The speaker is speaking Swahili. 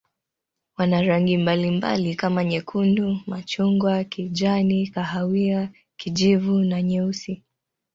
Wana rangi mbalimbali kama nyekundu, machungwa, kijani, kahawia, kijivu na nyeusi.